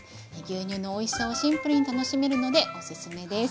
牛乳のおいしさをシンプルに楽しめるのでおすすめです。